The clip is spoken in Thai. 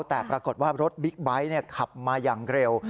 แต่ปรากฏว่ารถบิ๊กไบท์ขับมาอย่างเร็ว